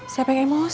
siapa yang emosi